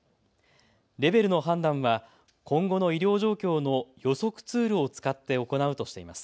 レベルの判断は今後の医療状況の予測ツールを使って行うとしています。